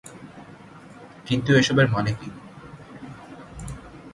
কিন্তু এসবের মানে কী?